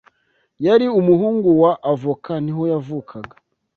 yari umuhungu wa avoka niho yavukaga